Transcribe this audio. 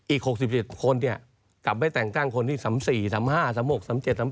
อีก๖๗คนกลับไปแต่งตั้งคนที่สำ๔สำ๕สำ๖สำ๗สำ๘